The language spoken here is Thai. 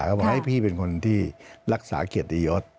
ก็บอกให้พี่เป็นคนที่รักษาเขตอียด